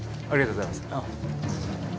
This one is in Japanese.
ありがとうございます。